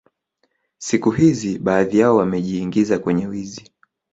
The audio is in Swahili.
Siku hzi baadhi yao wamejiingiza kwenye wizi